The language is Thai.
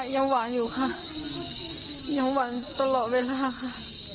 ใช่ค่ะยังหวังอยู่ค่ะยังหวังตลอดเวลาค่ะ